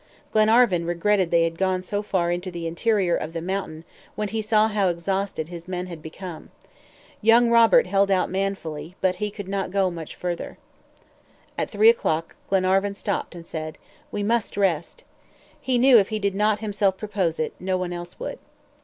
Glenarvan regretted they had gone so far into the interior of the mountain when he saw how exhausted his men had become. Young Robert held out manfully, but he could not go much farther. At three o'clock Glenarvan stopped and said: "We must rest." He knew if he did not himself propose it, no one else would.